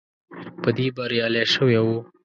په دې بریالی شوی وو.